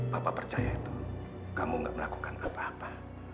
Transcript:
bapak percaya itu kamu gak melakukan apa apa